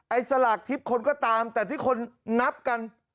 สลากทิพย์คนก็ตามแต่ที่คนนับกัน